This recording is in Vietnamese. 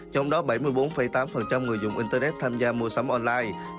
trong đó bảy mươi bốn tám người dùng internet tham gia mua sắm online